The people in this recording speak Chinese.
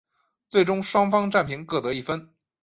最终双方战平各得一分。